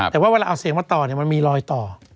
แต่ว่าเวลาเอาเสียงมาต่อมันมีรอยต่อ